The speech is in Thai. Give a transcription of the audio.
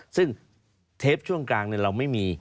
ซึ่งเทปช่วงกลางเราไม่มี